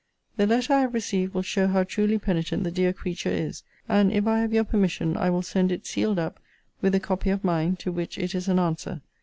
The letter I have received will show how truly penitent the dear creature is; and, if I have your permission, I will send it sealed up, with a copy of mine, to which it is an answer.